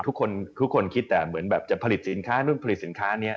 ทุกคนคิดแต่เดินแบบจะผลิตสินค้าตลอดผลิตสินค้านี้